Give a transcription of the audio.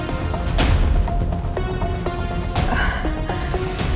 pantiasuhan mutiara bunda